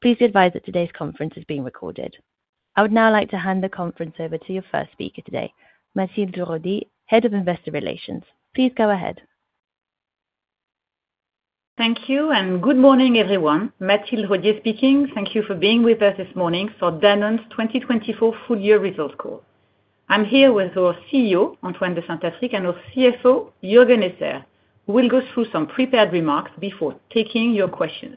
Please advise that today's conference is being recorded. I would now like to hand the conference over to your first speaker today, Mathilde Rodié, Head of Investor Relations. Please go ahead. Thank you, and good morning, everyone. Mathilde Rodié speaking. Thank you for being with us this morning for Danone's 2024 full-year results call. I'm here with our CEO, Antoine de Saint-Affrique, and our CFO, Juergen Esser, who will go through some prepared remarks before taking your questions.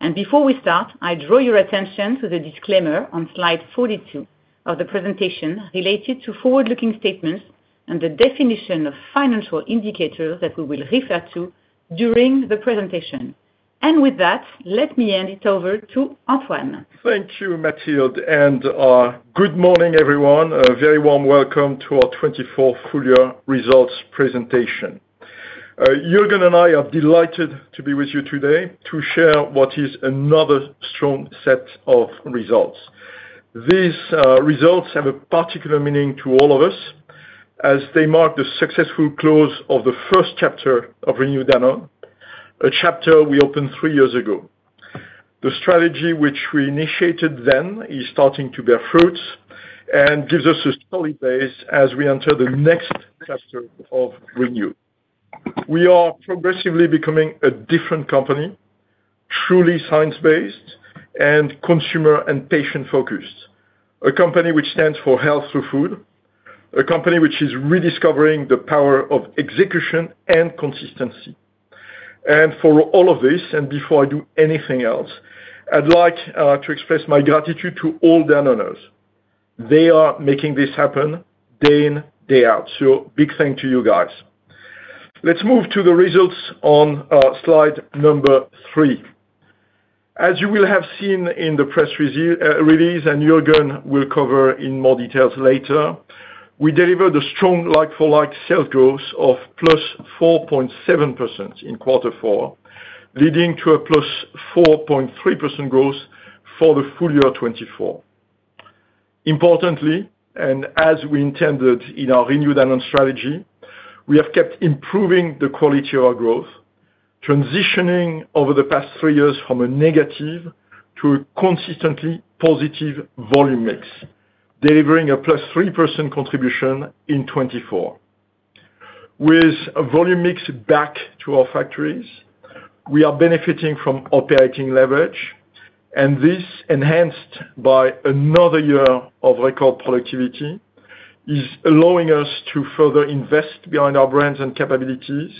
And before we start, I draw your attention to the disclaimer on slide 42 of the presentation related to forward-looking statements and the definition of financial indicators that we will refer to during the presentation. And with that, let me hand it over to Antoine. Thank you, Mathilde, and good morning, everyone. A very warm welcome to our 24th full-year results presentation. Juergen and I are delighted to be with you today to share what is another strong set of results. These results have a particular meaning to all of us as they mark the successful close of the first chapter of Renew Danone, a chapter we opened three years ago. The strategy which we initiated then is starting to bear fruit and gives us a solid base as we enter the next chapter of Renew. We are progressively becoming a different company, truly science-based and consumer and patient-focused, a company which stands for health through food, a company which is rediscovering the power of execution and consistency, and for all of this, and before I do anything else, I'd like to express my gratitude to all Danone owners. They are making this happen day in, day out. So, big thank you to you guys. Let's move to the results on slide number three. As you will have seen in the press release, and Juergen will cover in more details later, we delivered a strong like-for-like sales growth of +4.7% in quarter four, leading to a +4.3% growth for the full year 2024. Importantly, and as we intended in our Renew Danone strategy, we have kept improving the quality of our growth, transitioning over the past three years from a negative to a consistently positive volume mix, delivering a +3% contribution in 2024. With a volume mix back to our factories, we are benefiting from operating leverage, and this, enhanced by another year of record productivity, is allowing us to further invest behind our brands and capabilities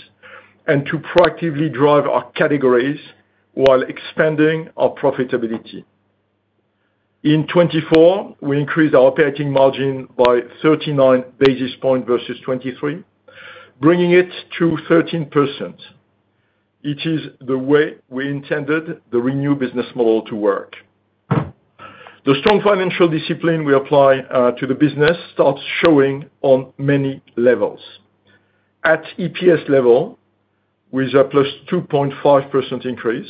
and to proactively drive our categories while expanding our profitability. In 2024, we increased our operating margin by 39 basis points versus 2023, bringing it to 13%. It is the way we intended the Renew business model to work. The strong financial discipline we apply to the business starts showing on many levels. At EPS level, we have a plus 2.5% increase.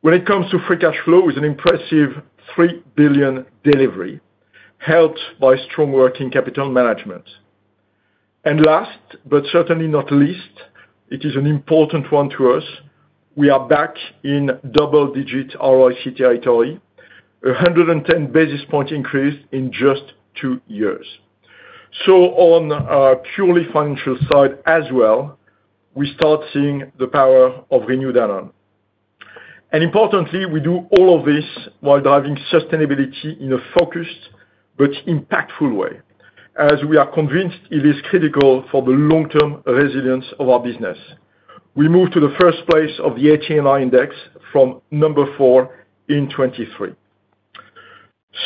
When it comes to free cash flow, it's an impressive 3 billion delivery held by strong working capital management. And last, but certainly not least, it is an important one to us. We are back in double-digit ROIC territory, a 110 basis point increase in just two years. So, on a purely financial side as well, we start seeing the power of Renew Danone. And importantly, we do all of this while driving sustainability in a focused but impactful way, as we are convinced it is critical for the long-term resilience of our business. We moved to the first place of the ATNi Index from number four in 2023.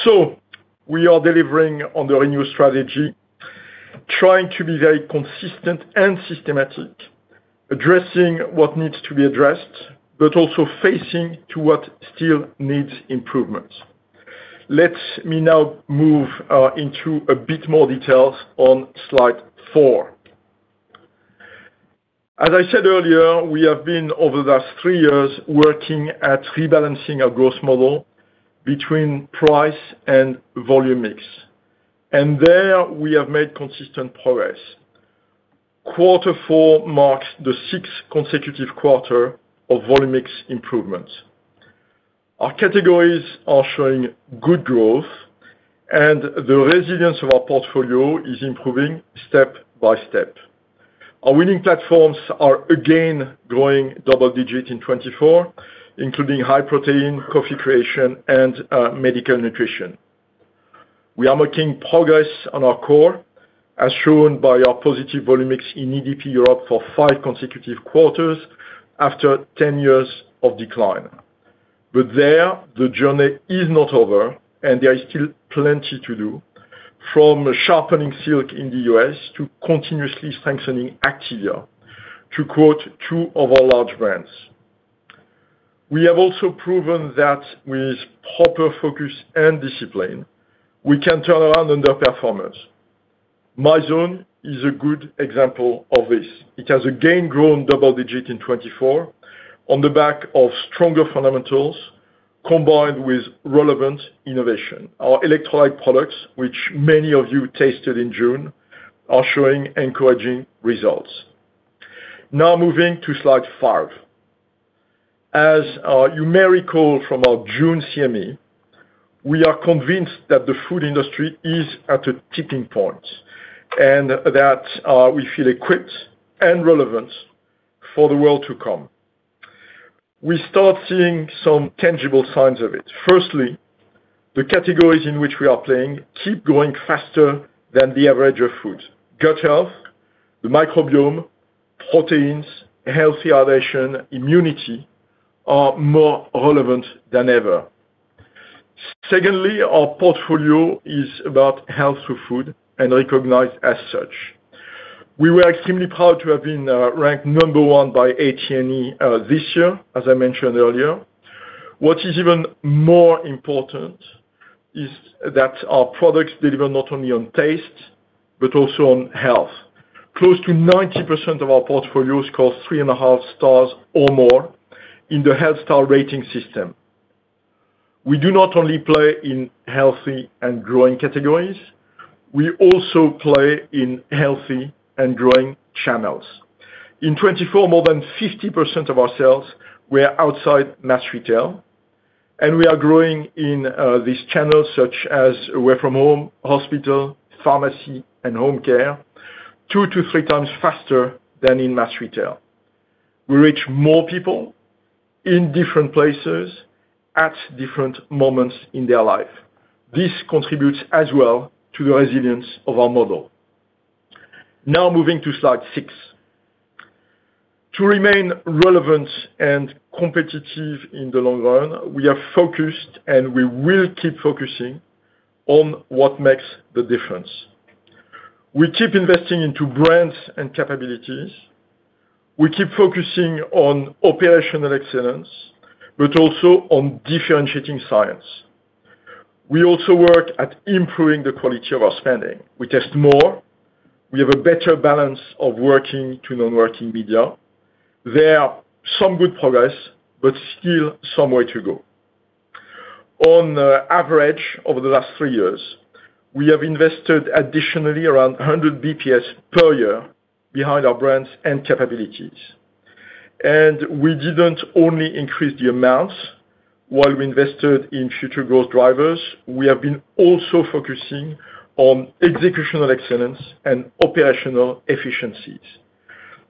So, we are delivering on the Renew strategy, trying to be very consistent and systematic, addressing what needs to be addressed, but also facing to what still needs improvement. Let me now move into a bit more details on slide four. As I said earlier, we have been, over the last three years, working at rebalancing our growth model between price and volume mix. And there, we have made consistent progress. Quarter four marks the sixth consecutive quarter of volume mix improvements. Our categories are showing good growth, and the resilience of our portfolio is improving step by step. Our winning platforms are again growing double digit in 2024, including High Protein, Coffee Creation, and Medical Nutrition. We are making progress on our core, as shown by our positive volume mix in EDP Europe for five consecutive quarters after 10 years of decline, but there, the journey is not over, and there is still plenty to do, from sharpening Silk in the U.S. to continuously strengthening Activia, to quote two of our large brands. We have also proven that with proper focus and discipline, we can turn around underperformance. Mizone is a good example of this. It has again grown double digit in 2024 on the back of stronger fundamentals combined with relevant innovation. Our electrolyte products, which many of you tasted in June, are showing encouraging results. Now, moving to slide five. As you may recall from our June CME, we are convinced that the food industry is at a tipping point and that we feel equipped and relevant for the world to come. We start seeing some tangible signs of it. Firstly, the categories in which we are playing keep growing faster than the average of food. Gut health, the microbiome, proteins, healthy hydration, immunity are more relevant than ever. Secondly, our portfolio is about health through food and recognized as such. We were extremely proud to have been ranked number one by H&E this year, as I mentioned earlier. What is even more important is that our products deliver not only on taste, but also on health. Close to 90% of our portfolios score three and a half stars or more in the Health Star rating system. We do not only play in healthy and growing categories. We also play in healthy and growing channels. In 2024, more than 50% of our sales were outside mass retail, and we are growing in these channels such as away from home, hospital, pharmacy, and home care two to three times faster than in mass retail. We reach more people in different places at different moments in their life. This contributes as well to the resilience of our model. Now, moving to slide six. To remain relevant and competitive in the long run, we are focused, and we will keep focusing on what makes the difference. We keep investing into brands and capabilities. We keep focusing on operational excellence, but also on differentiating science. We also work at improving the quality of our spending. We test more. We have a better balance of working to non-working media. There are some good progress, but still some way to go. On average, over the last three years, we have invested additionally around 100 basis points per year behind our brands and capabilities, and we didn't only increase the amounts. While we invested in future growth drivers, we have been also focusing on executional excellence and operational efficiencies,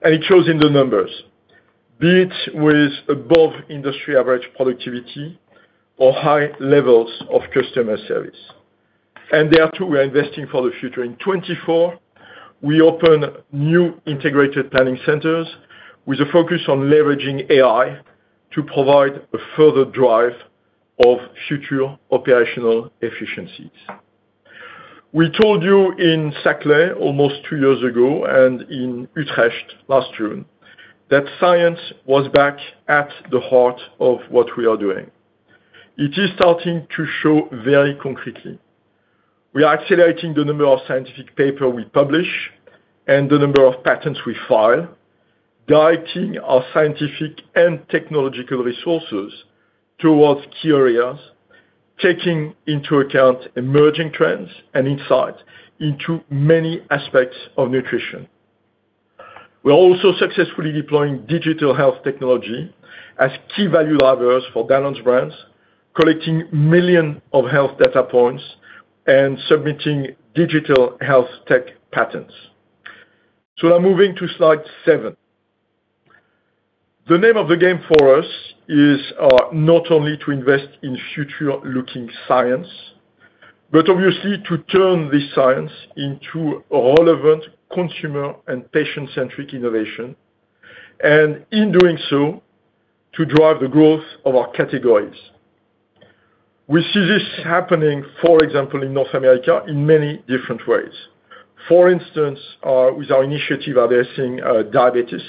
and it shows in the numbers, be it with above industry average productivity or high levels of customer service, and there too, we are investing for the future. In 2024, we opened new integrated planning centers with a focus on leveraging AI to provide a further drive of future operational efficiencies. We told you in Saclay almost two years ago and in Utrecht last June that science was back at the heart of what we are doing. It is starting to show very concretely. We are accelerating the number of scientific papers we publish and the number of patents we file, directing our scientific and technological resources towards key areas, taking into account emerging trends and insights into many aspects of nutrition. We are also successfully deploying digital health technology as key value drivers for Danone's brands, collecting millions of health data points and submitting digital health tech patents. So now, moving to slide seven. The name of the game for us is not only to invest in future-looking science, but obviously to turn this science into relevant consumer and patient-centric innovation, and in doing so, to drive the growth of our categories. We see this happening, for example, in North America in many different ways. For instance, with our initiative addressing diabetes,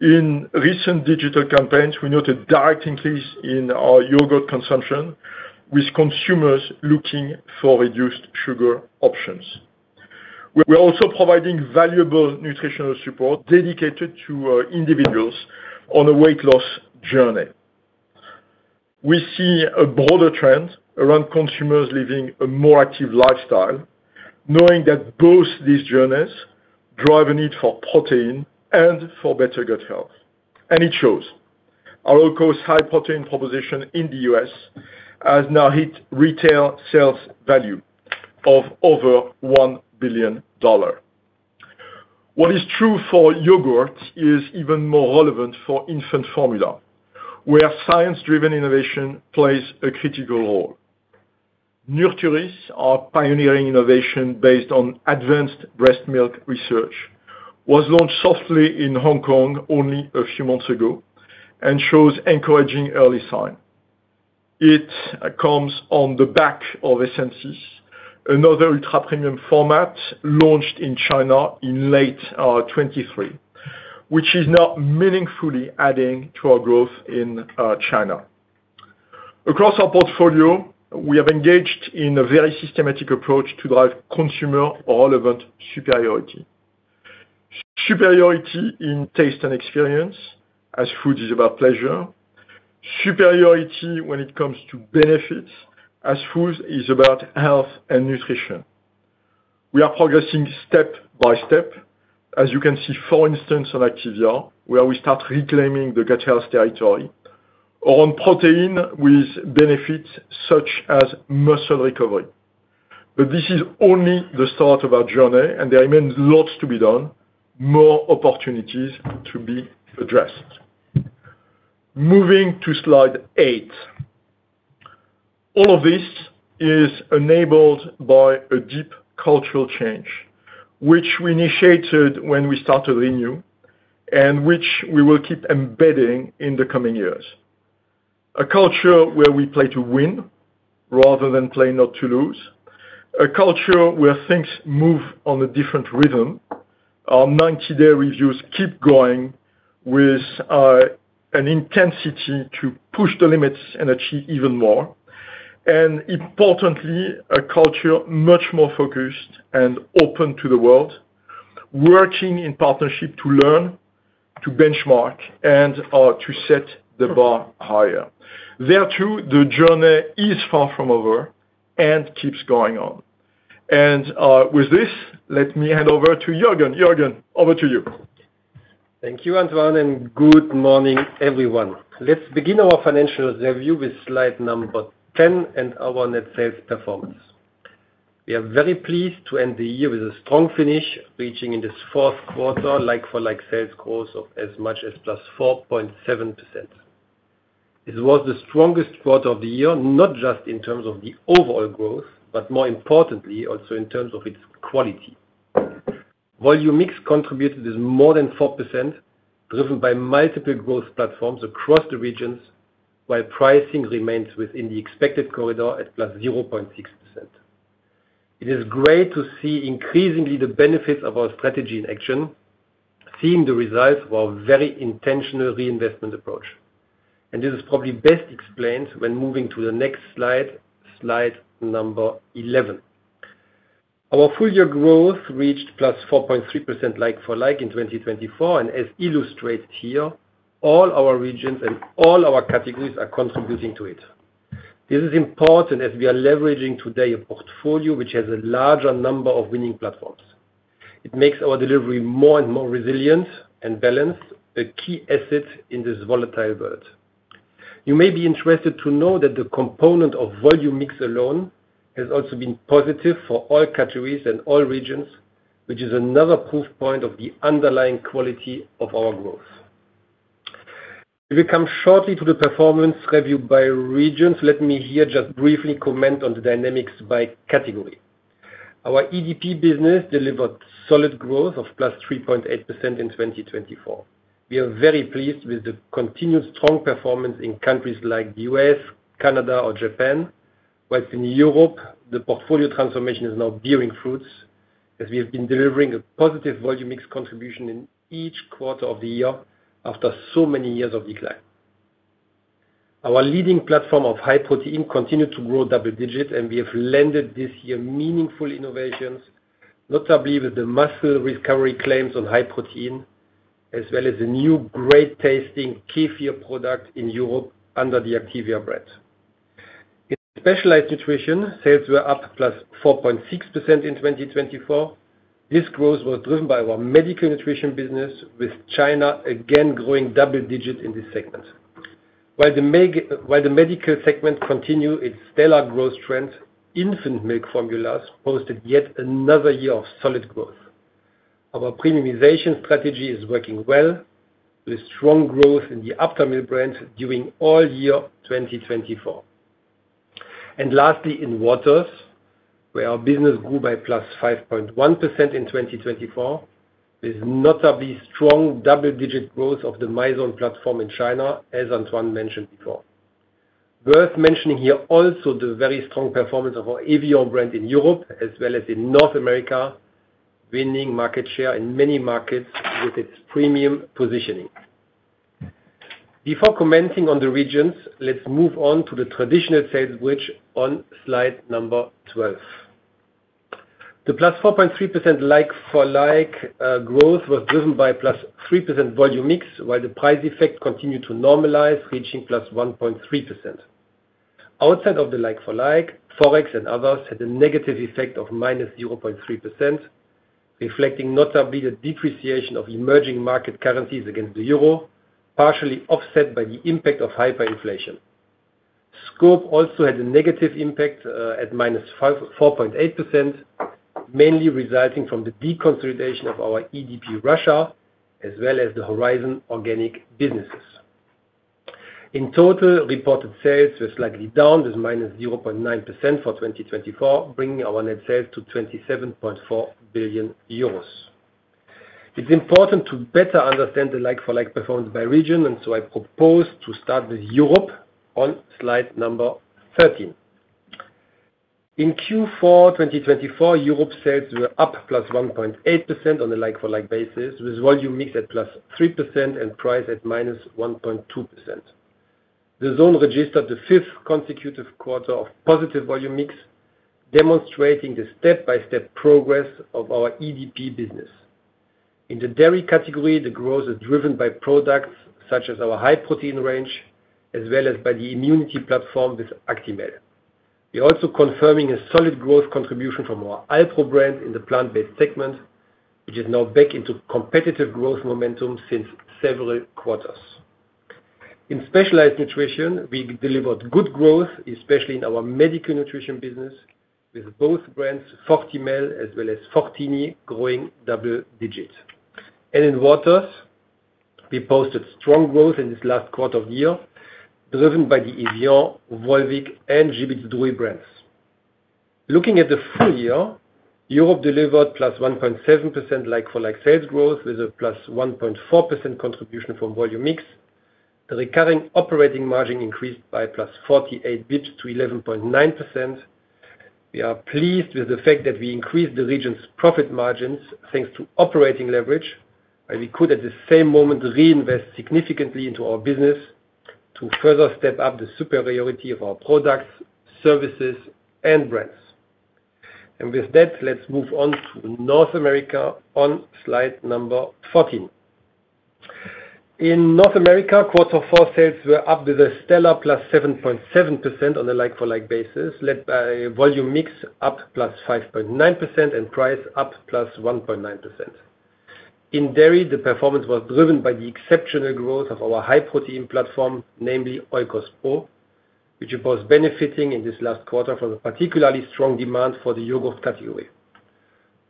in recent digital campaigns, we noted a direct increase in our yogurt consumption with consumers looking for reduced sugar options. We are also providing valuable nutritional support dedicated to individuals on a weight loss journey. We see a broader trend around consumers living a more active lifestyle, knowing that both these journeys drive a need for protein and for better gut health. And it shows. Our Oikos high-protein proposition in the U.S. has now hit retail sales value of over $1 billion. What is true for yogurt is even more relevant for infant formula, where science-driven innovation plays a critical role. Nuturis, our pioneering innovation based on advanced breast milk research, was launched softly in Hong Kong only a few months ago and shows encouraging early signs. It comes on the back of Essensis, another ultra-premium format launched in China in late 2023, which is now meaningfully adding to our growth in China. Across our portfolio, we have engaged in a very systematic approach to drive consumer-relevant superiority. Superiority in taste and experience, as food is about pleasure. Superiority when it comes to benefits, as food is about health and nutrition. We are progressing step by step, as you can see, for instance, on Activia, where we start reclaiming the gut health territory, or on protein with benefits such as muscle recovery. But this is only the start of our journey, and there remains lots to be done, more opportunities to be addressed. Moving to slide eight. All of this is enabled by a deep cultural change, which we initiated when we started Renew and which we will keep embedding in the coming years. A culture where we play to win rather than play not to lose. A culture where things move on a different rhythm. Our 90-day reviews keep going with an intensity to push the limits and achieve even more. Importantly, a culture much more focused and open to the world, working in partnership to learn, to benchmark, and to set the bar higher. There too, the journey is far from over and keeps going on. With this, let me hand over to Juergen. Juergen, over to you. Thank you, Antoine, and good morning, everyone. Let's begin our financial review with slide number 10 and our net sales performance. We are very pleased to end the year with a strong finish, reaching in this fourth quarter like-for-like sales growth of as much as +4.7%. This was the strongest quarter of the year, not just in terms of the overall growth, but more importantly, also in terms of its quality. Volume mix contributed with more than 4%, driven by multiple growth platforms across the regions, while pricing remains within the expected corridor at +0.6%. It is great to see increasingly the benefits of our strategy in action, seeing the results of our very intentional reinvestment approach, and this is probably best explained when moving to the next slide, slide number 11. Our full-year growth reached plus 4.3% like-for-like in 2024, and as illustrated here, all our regions and all our categories are contributing to it. This is important as we are leveraging today a portfolio which has a larger number of winning platforms. It makes our delivery more and more resilient and balanced, a key asset in this volatile world. You may be interested to know that the component of volume mix alone has also been positive for all categories and all regions, which is another proof point of the underlying quality of our growth. We will come shortly to the performance review by regions. Let me here just briefly comment on the dynamics by category. Our EDP business delivered solid growth of +3.8% in 2024. We are very pleased with the continued strong performance in countries like the U.S., Canada, or Japan, while in Europe, the portfolio transformation is now bearing fruits as we have been delivering a positive volume mix contribution in each quarter of the year after so many years of decline. Our leading platform of high protein continued to grow double digit, and we have landed this year meaningful innovations, notably with the muscle recovery claims on high protein, as well as the new great-tasting Kefir product in Europe under the Activia brand. In specialized nutrition, sales were up +4.6% in 2024. This growth was driven by our medical nutrition business, with China again growing double digit in this segment. While the medical segment continued its stellar growth trend, infant milk formulas posted yet another year of solid growth. Our premiumization strategy is working well with strong growth in the Aptamil brands during all year 2024. And lastly, in waters, where our business grew by plus 5.1% in 2024 with notably strong double-digit growth of the Mizone platform in China, as Antoine mentioned before. Worth mentioning here also the very strong performance of our Evian brand in Europe, as well as in North America, winning market share in many markets with its premium positioning. Before commenting on the regions, let's move on to the traditional sales bridge on slide number 12. The plus 4.3% like-for-like growth was driven by plus 3% volume mix, while the price effect continued to normalize, reaching plus 1.3%. Outside of the like-for-like, Forex and others had a negative effect of minus 0.3%, reflecting notably the depreciation of emerging market currencies against the euro, partially offset by the impact of hyperinflation. Scope also had a negative impact at minus 4.8%, mainly resulting from the deconsolidation of our EDP Russia, as well as the Horizon Organic businesses. In total, reported sales were slightly down with minus 0.9% for 2024, bringing our net sales to 27.4 billion euros. It's important to better understand the like-for-like performance by region, and so I propose to start with Europe on slide number 13. In Q4 2024, Europe sales were up plus 1.8% on a like-for-like basis, with volume mix at plus 3% and price at minus 1.2%. The zone registered the fifth consecutive quarter of positive volume mix, demonstrating the step-by-step progress of our EDP business. In the dairy category, the growth is driven by products such as our high protein range, as well as by the immunity platform with Actimel. We are also confirming a solid growth contribution from our Alpro brand in the plant-based segment, which is now back into competitive growth momentum since several quarters. In specialized nutrition, we delivered good growth, especially in our medical nutrition business, with both brands, Fortimel as well as Fortini, growing double digit, and in waters, we posted strong growth in this last quarter of the year, driven by the Evian, Volvic, and Żywiec Zdrój brands. Looking at the full year, Europe delivered plus 1.7% like-for-like sales growth with a plus 1.4% contribution from volume mix. The recurring operating margin increased by plus 48 basis points to 11.9%. We are pleased with the fact that we increased the region's profit margins thanks to operating leverage, where we could at the same moment reinvest significantly into our business to further step up the superiority of our products, services, and brands, and with that, let's move on to North America on slide number 14. In North America, quarter four sales were up with a stellar plus 7.7% on a like-for-like basis, led by volume mix up plus 5.9% and price up plus 1.9%. In dairy, the performance was driven by the exceptional growth of our high protein platform, namely Oikos Pro, which we both benefiting in this last quarter from a particularly strong demand for the yogurt category.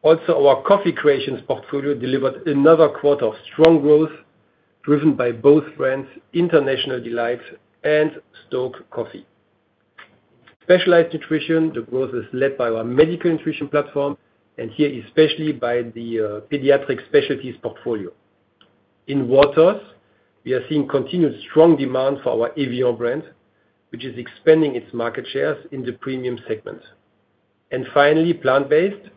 Also, our Coffee Creations portfolio delivered another quarter of strong growth, driven by both brands, International Delight and STōK Coffee. Specialized Nutrition, the growth is led by our medical nutrition platform, and here especially by the pediatric specialties portfolio. In waters, we are seeing continued strong demand for our Evian brand, which is expanding its market shares in the premium segment. Finally, plant-based,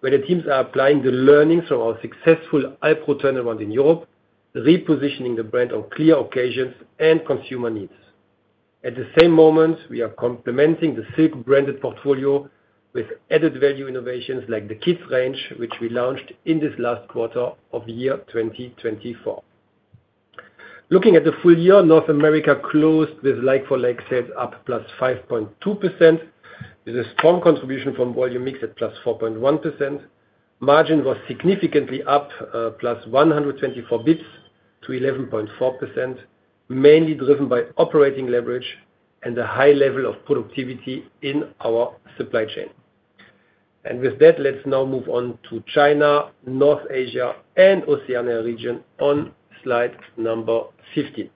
where the teams are applying the learnings from our successful Alpro turnaround in Europe, repositioning the brand on clear occasions and consumer needs. At the same moment, we are complementing the Silk branded portfolio with added value innovations like the Kids range, which we launched in this last quarter of the year 2024. Looking at the full year, North America closed with like-for-like sales up plus 5.2%, with a strong contribution from volume mix at plus 4.1%. Margin was significantly up plus 124 basis points to 11.4%, mainly driven by operating leverage and the high level of productivity in our supply chain. And with that, let's now move on to China, North Asia, and Oceania region on slide number 15.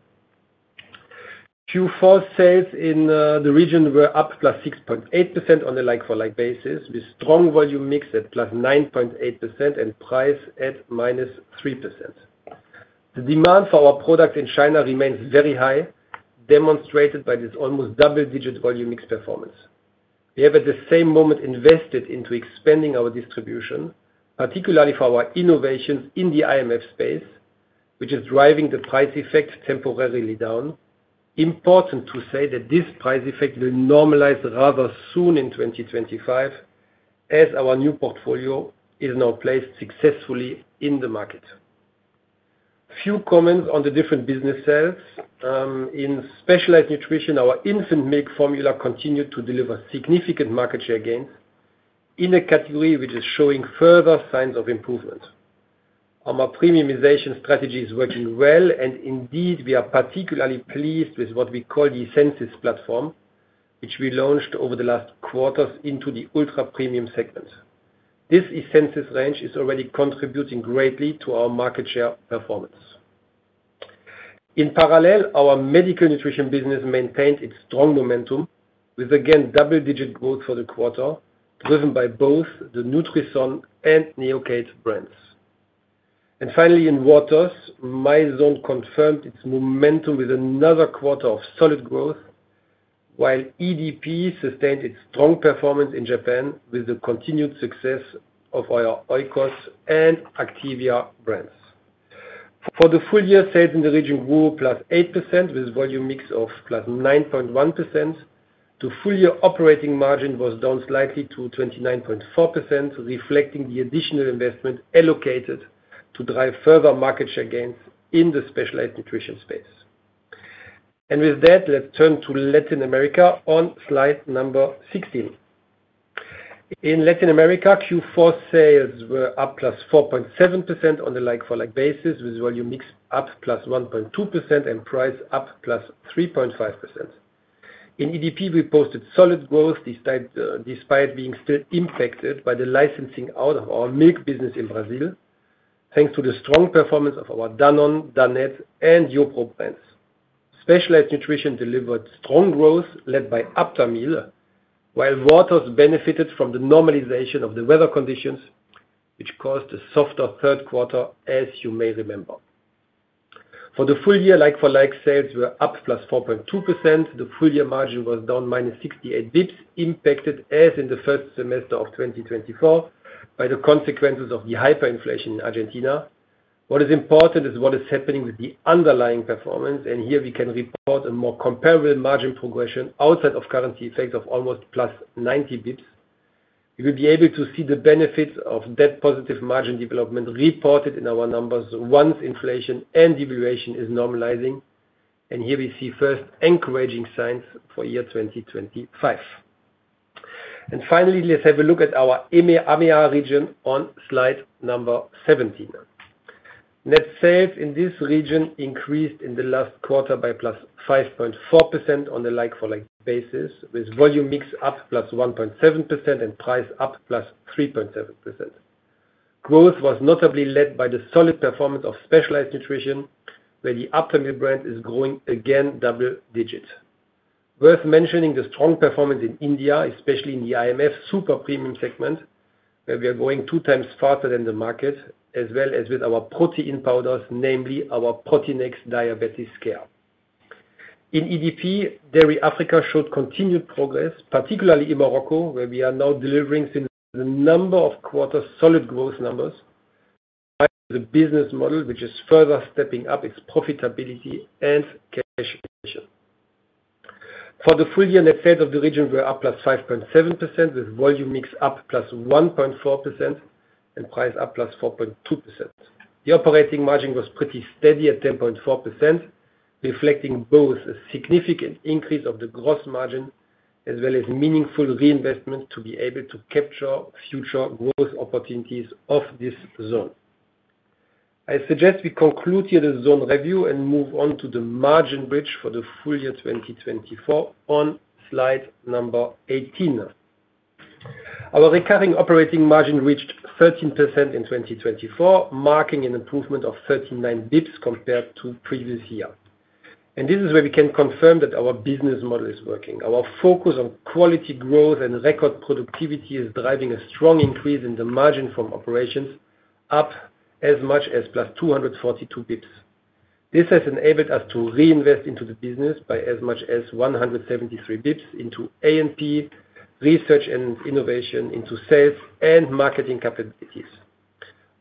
Q4 sales in the region were up plus 6.8% on a like-for-like basis, with strong volume mix at plus 9.8% and price at minus 3%. The demand for our product in China remains very high, demonstrated by this almost double-digit volume mix performance. We have at the same moment invested into expanding our distribution, particularly for our innovations in the IMF space, which is driving the price effect temporarily down. Important to say that this price effect will normalize rather soon in 2025, as our new portfolio is now placed successfully in the market. Few comments on the different business sales. In Specialized Nutrition, our Infant Milk Formula continued to deliver significant market share gains in a category which is showing further signs of improvement. Our premiumization strategy is working well, and indeed, we are particularly pleased with what we call the Essensis platform, which we launched over the last quarters into the ultra-premium segment. This Essensis range is already contributing greatly to our market share performance. In parallel, our medical nutrition business maintained its strong momentum with, again, double-digit growth for the quarter, driven by both the Nutrison and Neocate brands. And finally, in waters, Mizone confirmed its momentum with another quarter of solid growth, while EDP sustained its strong performance in Japan with the continued success of our Oikos and Activia brands. For the full year, sales in the region grew +8% with volume mix of +9.1%. The full-year operating margin was down slightly to 29.4%, reflecting the additional investment allocated to drive further market share gains in the specialized nutrition space. And with that, let's turn to Latin America on slide number 16. In Latin America, Q4 sales were up plus 4.7% on a like-for-like basis, with volume mix up plus 1.2% and price up plus 3.5%. In EDP, we posted solid growth despite being still impacted by the licensing out of our milk business in Brazil, thanks to the strong performance of our Danone, Danette, and Yogurísimo brands. Specialized Nutrition delivered strong growth led by Aptamil, while waters benefited from the normalization of the weather conditions, which caused a softer third quarter, as you may remember. For the full year, like-for-like sales were up plus 4.2%. The full-year margin was down minus 68 basis points, impacted as in the first semester of 2024 by the consequences of the hyperinflation in Argentina. What is important is what is happening with the underlying performance, and here we can report a more comparable margin progression outside of currency effects of almost plus 90 basis points. We will be able to see the benefits of that positive margin development reported in our numbers once inflation and devaluation is normalizing. And here we see first encouraging signs for year 2025. And finally, let's have a look at our AMEA region on slide number 17. Net sales in this region increased in the last quarter by plus 5.4% on a like-for-like basis, with volume mix up plus 1.7% and price up plus 3.7%. Growth was notably led by the solid performance of Specialized Nutrition, where the Aptamil brand is growing again double digit. Worth mentioning the strong performance in India, especially in the IMF super premium segment, where we are growing two times faster than the market, as well as with our protein powders, namely our Protinex Diabetes Care. In EDP, Dairy Africa showed continued progress, particularly in Morocco, where we are now delivering the number of quarter solid growth numbers with a business model which is further stepping up its profitability and cash efficiency. For the full year, net sales of the region were up plus 5.7%, with volume mix up plus 1.4% and price up plus 4.2%. The operating margin was pretty steady at 10.4%, reflecting both a significant increase of the gross margin as well as meaningful reinvestment to be able to capture future growth opportunities of this zone. I suggest we conclude here the zone review and move on to the margin bridge for the full year 2024 on slide number 18. Our recurring operating margin reached 13% in 2024, marking an improvement of 39 basis points compared to previous year. This is where we can confirm that our business model is working. Our focus on quality growth and record productivity is driving a strong increase in the margin from operations up as much as plus 242 basis points. This has enabled us to reinvest into the business by as much as 173 basis points into A&P, research and innovation into sales and marketing capabilities.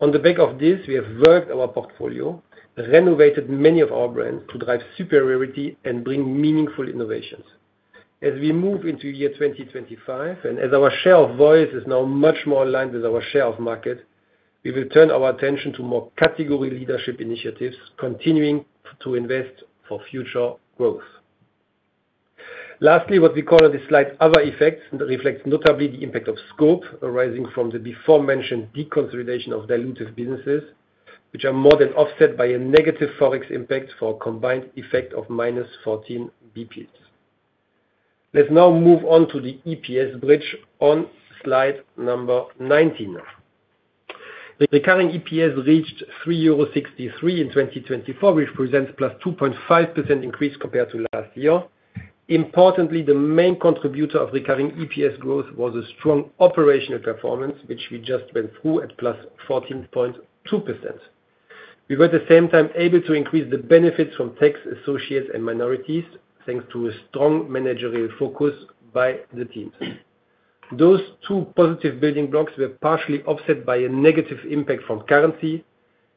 On the back of this, we have worked our portfolio, renovated many of our brands to drive superiority and bring meaningful innovations. As we move into year 2025, and as our share of voice is now much more aligned with our share of market, we will turn our attention to more category leadership initiatives, continuing to invest for future growth. Lastly, what we call on this slide, other effects, reflects notably the impact of scope arising from the before-mentioned deconsolidation of dilutive businesses, which are more than offset by a negative Forex impact for a combined effect of minus 14 basis points. Let's now move on to the EPS bridge on slide number 19. The recurring EPS reached €3.63 in 2024, which presents plus 2.5% increase compared to last year. Importantly, the main contributor of recurring EPS growth was a strong operational performance, which we just went through at plus 14.2%. We were at the same time able to increase the benefits from tax assets and minorities, thanks to a strong managerial focus by the teams. Those two positive building blocks were partially offset by a negative impact from currency,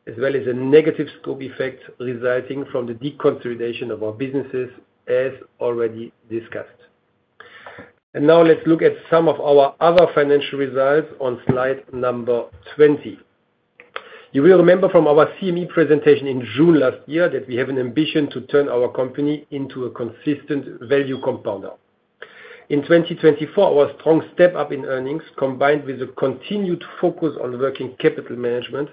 as well as a negative scope effect resulting from the deconsolidation of our businesses, as already discussed. And now let's look at some of our other financial results on slide number 20. You will remember from our CME presentation in June last year that we have an ambition to turn our company into a consistent value compounder. In 2024, our strong step-up in earnings, combined with the continued focus on working capital management,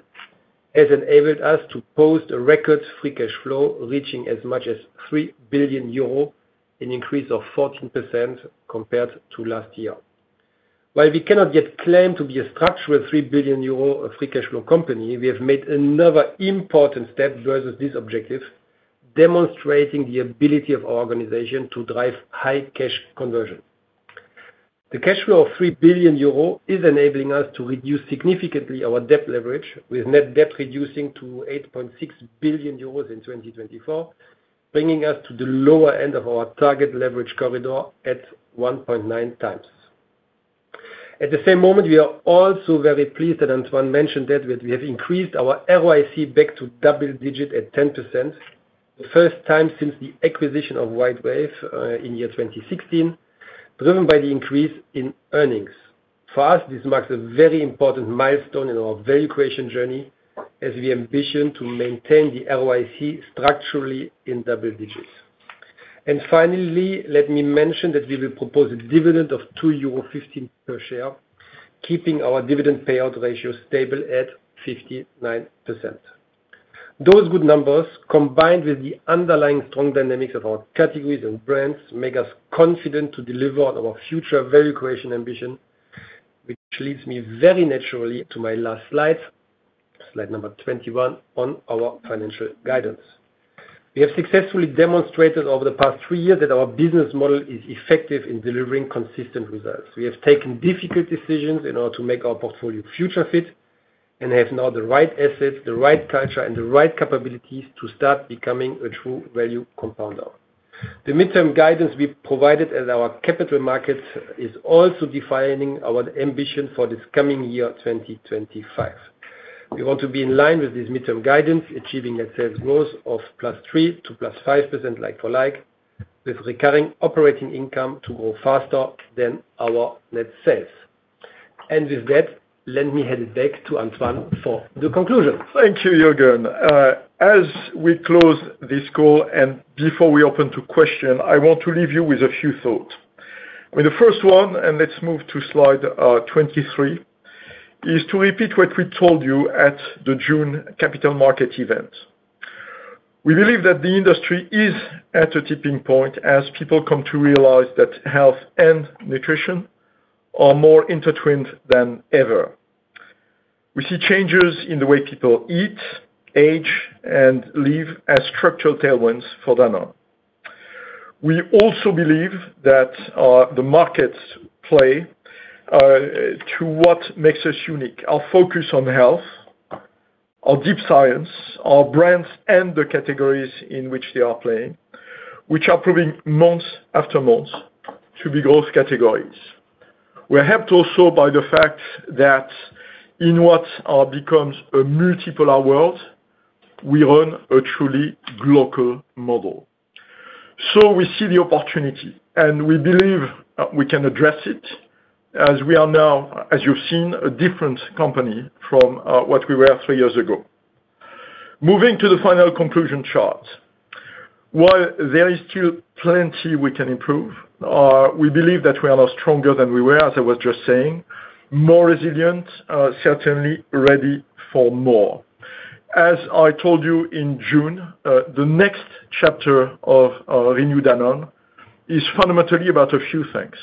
has enabled us to post a record free cash flow reaching as much as 3 billion euro, an increase of 14% compared to last year. While we cannot yet claim to be a structural €3 billion free cash flow company, we have made another important step towards this objective, demonstrating the ability of our organization to drive high cash conversion. The cash flow of €3 billion is enabling us to reduce significantly our debt leverage, with net debt reducing to €8.6 billion in 2024, bringing us to the lower end of our target leverage corridor at 1.9 times. At the same moment, we are also very pleased that Antoine mentioned that we have increased our ROIC back to double digit at 10%, the first time since the acquisition of WhiteWave in year 2016, driven by the increase in earnings. For us, this marks a very important milestone in our value creation journey as we ambition to maintain the ROIC structurally in double digits. Finally, let me mention that we will propose a dividend of 2.15 euro per share, keeping our dividend payout ratio stable at 59%. Those good numbers, combined with the underlying strong dynamics of our categories and brands, make us confident to deliver on our future value creation ambition, which leads me very naturally to my last slide, slide number 21, on our financial guidance. We have successfully demonstrated over the past three years that our business model is effective in delivering consistent results. We have taken difficult decisions in order to make our portfolio future-fit and have now the right assets, the right culture, and the right capabilities to start becoming a true value compounder. The midterm guidance we provided at our capital markets is also defining our ambition for this coming year 2025. We want to be in line with this midterm guidance, achieving net sales growth of +3% to +5% like-for-like, with recurring operating income to grow faster than our net sales. And with that, let me hand it back to Antoine for the conclusion. Thank you, Juergen. As we close this call and before we open to questions, I want to leave you with a few thoughts. The first one, and let's move to slide 23, is to repeat what we told you at the June capital market event. We believe that the industry is at a tipping point as people come to realize that health and nutrition are more intertwined than ever. We see changes in the way people eat, age, and live as structural tailwinds for Danone. We also believe that the markets play to what makes us unique. Our focus on health, our deep science, our brands, and the categories in which they are playing, which are proving month after month to be growth categories. We're helped also by the fact that in what becomes a multipolar world, we run a truly global model. So we see the opportunity, and we believe we can address it as we are now, as you've seen, a different company from what we were three years ago. Moving to the final conclusion chart. While there is still plenty we can improve, we believe that we are not stronger than we were, as I was just saying, more resilient, certainly ready for more. As I told you in June, the next chapter of Renew Danone is fundamentally about a few things.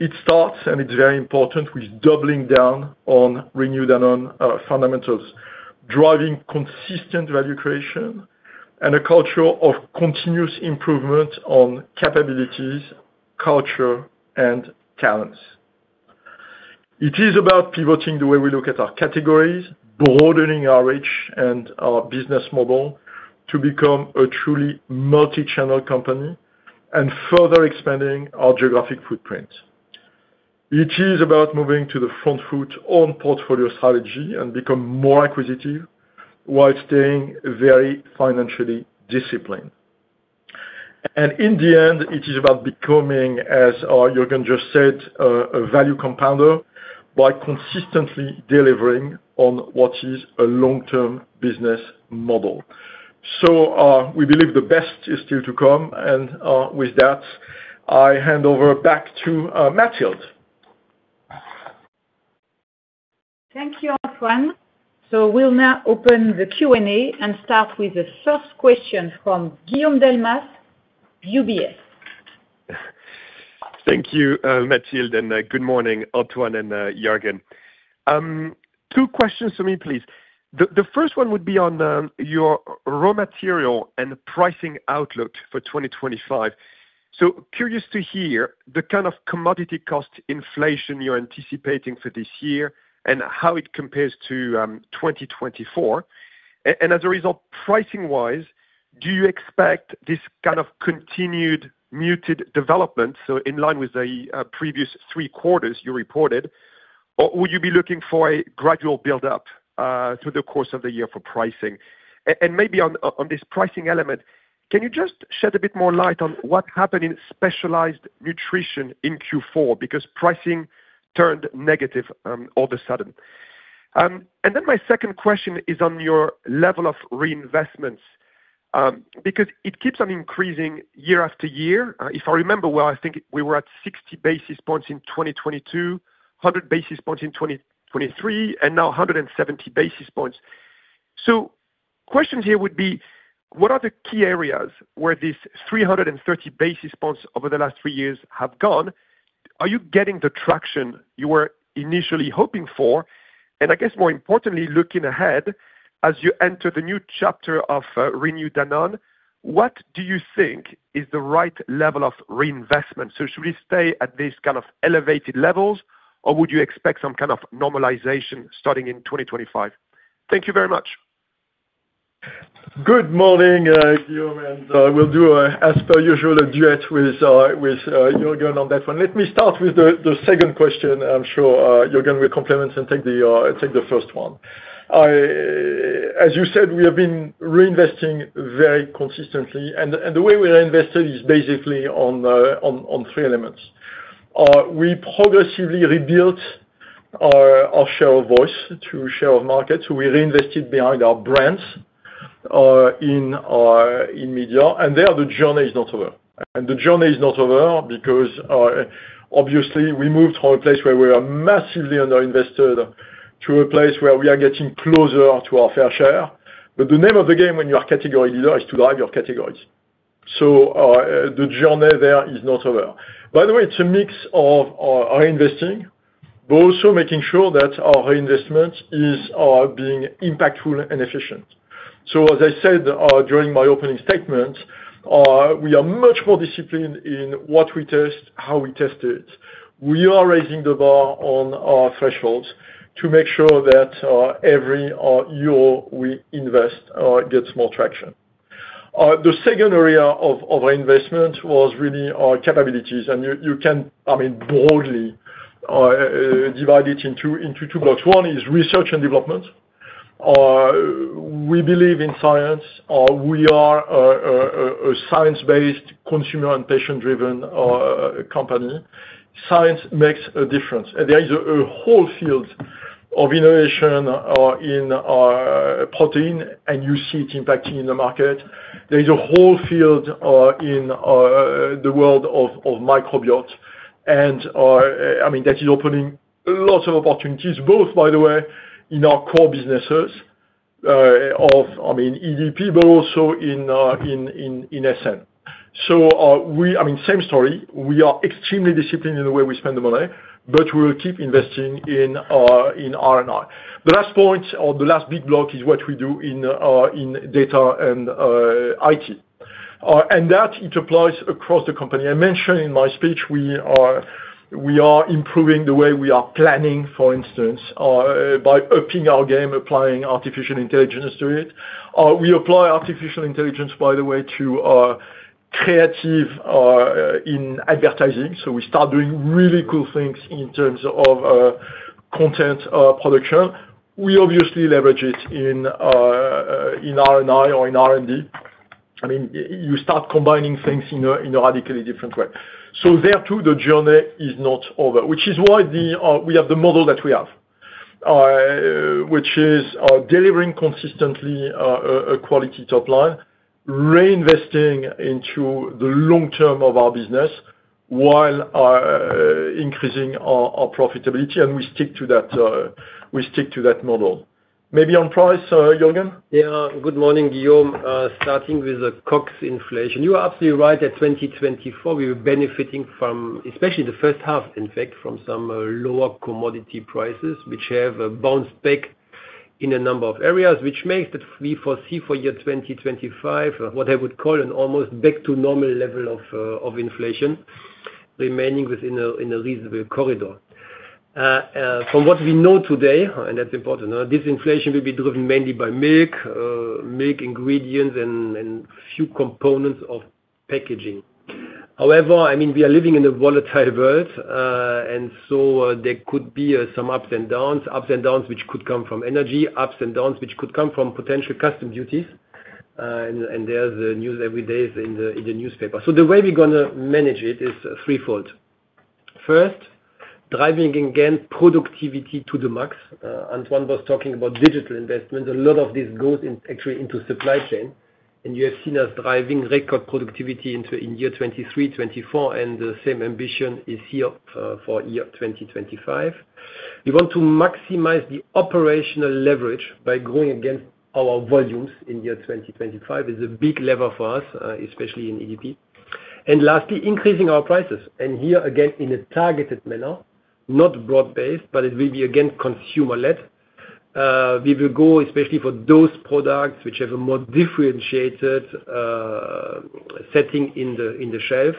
It starts, and it's very important, with doubling down on Renew Danone fundamentals, driving consistent value creation, and a culture of continuous improvement on capabilities, culture, and talents. It is about pivoting the way we look at our categories, broadening our reach and our business model to become a truly multi-channel company and further expanding our geographic footprint. It is about moving to the front foot on portfolio strategy and becoming more acquisitive while staying very financially disciplined. And in the end, it is about becoming, as Juergen just said, a value compounder by consistently delivering on what is a long-term business model. So we believe the best is still to come. And with that, I hand over back to Mathilde. Thank you, Antoine. So we'll now open the Q&A and start with the first question from Guillaume Delmas, UBS. Thank you, Mathilde, and good morning, Antoine and Juergen. Two questions for me, please. The first one would be on your raw material and pricing outlook for 2025. So curious to hear the kind of commodity cost inflation you're anticipating for this year and how it compares to 2024. And as a result, pricing-wise, do you expect this kind of continued muted development, so in line with the previous three quarters you reported, or would you be looking for a gradual build-up through the course of the year for pricing? And maybe on this pricing element, can you just shed a bit more light on what happened in Specialized Nutrition in Q4 because pricing turned negative all of a sudden? And then my second question is on your level of reinvestments because it keeps on increasing year after year. If I remember well, I think we were at 60 basis points in 2022, 100 basis points in 2023, and now 170 basis points. So questions here would be, what are the key areas where these 330 basis points over the last three years have gone? Are you getting the traction you were initially hoping for? And I guess, more importantly, looking ahead, as you enter the new chapter of Renew Danone, what do you think is the right level of reinvestment? So should we stay at these kind of elevated levels, or would you expect some kind of normalization starting in 2025? Thank you very much. Good morning, Guillaume, and we'll do, as per usual, a duet with Juergen on that one. Let me start with the second question. I'm sure Juergen will complement and take the first one. As you said, we have been reinvesting very consistently. And the way we reinvested is basically on three elements. We progressively rebuilt our share of voice to share of market. So we reinvested behind our brands in media. And there, the journey is not over. And the journey is not over because, obviously, we moved from a place where we were massively underinvested to a place where we are getting closer to our fair share. But the name of the game when you are a category leader is to drive your categories. So the journey there is not over. By the way, it's a mix of reinvesting, but also making sure that our reinvestment is being impactful and efficient. So, as I said during my opening statement, we are much more disciplined in what we test, how we test it. We are raising the bar on our thresholds to make sure that every euro we invest gets more traction. The second area of reinvestment was really our capabilities, and you can, I mean, broadly divide it into two blocks. One is research and development. We believe in science. We are a science-based, consumer and patient-driven company. Science makes a difference. There is a whole field of innovation in protein, and you see it impacting in the market. There is a whole field in the world of microbiota, and I mean, that is opening lots of opportunities, both, by the way, in our core businesses of, I mean, EDP, but also in SN. So, I mean, same story. We are extremely disciplined in the way we spend the money, but we will keep investing in R&D. The last point, or the last big block, is what we do in data and IT, and that, it applies across the company. I mentioned in my speech, we are improving the way we are planning, for instance, by upping our game, applying artificial intelligence to it. We apply artificial intelligence, by the way, to creative in advertising. So we start doing really cool things in terms of content production. We obviously leverage it in R&R or in R&D. I mean, you start combining things in a radically different way. So there, too, the journey is not over, which is why we have the model that we have, which is delivering consistently a quality top line, reinvesting into the long term of our business while increasing our profitability, and we stick to that. We stick to that model. Maybe on price, Jürgen? Yeah. Good morning, Guillaume. Starting with the COGS inflation, you are absolutely right that 2024, we were benefiting from, especially the first half, in fact, from some lower commodity prices, which have bounced back in a number of areas, which makes that we foresee for year 2025 what I would call an almost back-to-normal level of inflation remaining within a reasonable corridor. From what we know today, and that's important, this inflation will be driven mainly by milk, milk ingredients, and few components of packaging. However, I mean, we are living in a volatile world, and so there could be some ups and downs, ups and downs which could come from energy, ups and downs which could come from potential customs duties, and there's the news every day in the newspaper, so the way we're going to manage it is threefold. First, driving again productivity to the max. Antoine was talking about digital investments. A lot of this goes actually into supply chain. You have seen us driving record productivity in year 2023, 2024, and the same ambition is here for year 2025. We want to maximize the operational leverage by going against our volumes in year 2025. It's a big lever for us, especially in EDP. Lastly, increasing our prices. Here, again, in a targeted manner, not broad-based, but it will be again consumer-led. We will go especially for those products which have a more differentiated setting in the shelf,